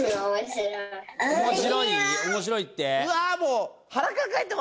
おもしろいって。